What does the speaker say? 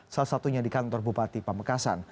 salah satunya di kantor bupati pamekasan